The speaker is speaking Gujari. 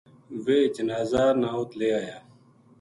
ویہ جنازا نا اُت لے آیا